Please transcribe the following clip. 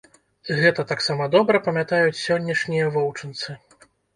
Гэта таксама добра памятаюць сённяшнія воўчынцы.